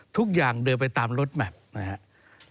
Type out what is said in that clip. ทุกอย่างเดินไปตามรถแมพนะครับ